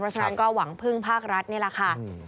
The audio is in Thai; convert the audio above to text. เพราะฉะนั้นก็หวังพึ่งภาครัฐนี่แหละค่ะ